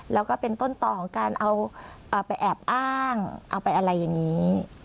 แล้วก็เป็นต้นต่อของการเอาไปแอบอ้างเอาไปอะไรอย่างนี้